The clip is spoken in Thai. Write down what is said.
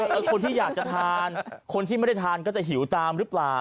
คนที่อยากจะทานคนที่ไม่ได้ทานก็จะหิวตามหรือเปล่า